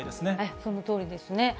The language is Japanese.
そのとおりですね。